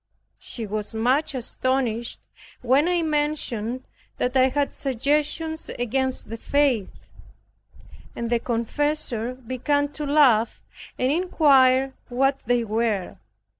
She was much astonished when I mentioned that I had suggestions against the faith, and the confessor began to laugh, and inquire what they were.